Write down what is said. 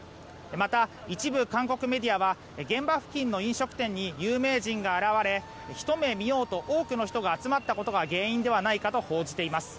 また一部韓国メディアは現場付近の飲食店に有名人が現れひと目見ようと多くの人が集まったことが原因ではないかと報じています。